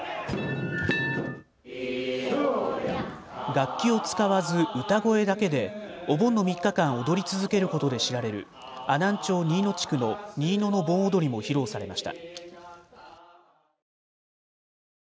楽器を使わず歌声だけでお盆の３日間踊り続けることで知られる阿南町新野地区の新野の盆踊も披露されました。